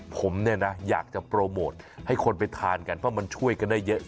ผมเนี่ยนะอยากจะโปรโมทให้คนไปทานกันเพราะมันช่วยกันได้เยอะ